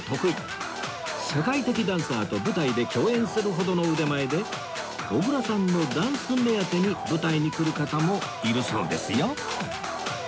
世界的ダンサーと舞台で共演するほどの腕前で小倉さんのダンス目当てに舞台に来る方もいるそうですよ